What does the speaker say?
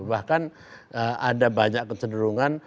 bahkan ada banyak kecederungan